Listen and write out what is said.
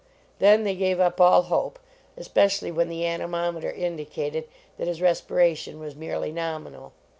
Then they gave up all hope, especially when the anemometer indicated that his respira tion was merely nominal.